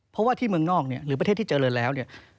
เพราะว่าที่เมืองนอกหรือประเทศที่เจอเรือนแล้ว